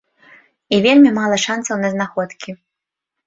І вельмі мала шанцаў на знаходкі.